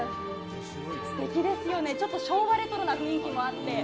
すてきですよね、ちょっと昭和レトロな雰囲気もあって。